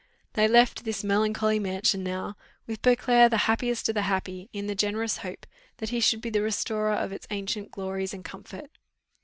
They left this melancholy mansion now, with Beauclerc the happiest of the happy, in the generous hope that he should be the restorer of its ancient glories and comfort.